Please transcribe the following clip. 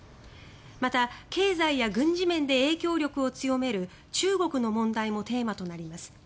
また、経済や軍事面で影響力を強める中国の問題もテーマとなります。